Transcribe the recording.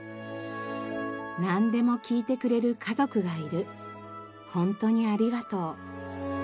「何でも聞いてくれる家族がいるほんとにありがとう」